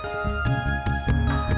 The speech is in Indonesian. ya udah paham apa